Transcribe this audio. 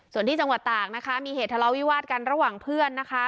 ส่วนที่จังหวัดตากนะคะมีเหตุทะเลาวิวาสกันระหว่างเพื่อนนะคะ